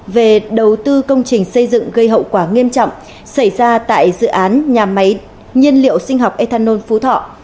về đầu tư công trình xây dựng gây hậu quả nghiêm trọng xảy ra tại dự án nhà máy nhiên liệu sinh học ethanol phú thọ